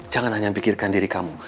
jangan hanya pikirkan diri kamu